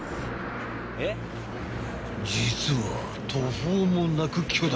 ［実は途方もなく］